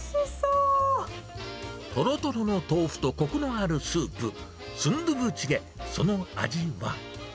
とろとろの豆腐とこくのあるスープ、スンドゥブチゲ、その味は？